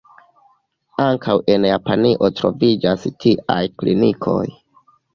Ankaŭ en Japanio troviĝas tiaj klinikoj.